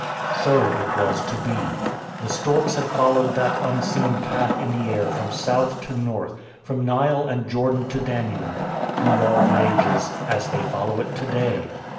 So it was to be. The storks had followed that Un seen Path in the air from South to North, from Nile and Jordan to Danube, through all the ages — as they follow it to day.